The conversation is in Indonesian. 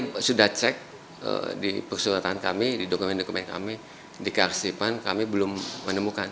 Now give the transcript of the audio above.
kami sudah cek di persewatan kami di dokumen dokumen kami di kersipan kami belum menemukan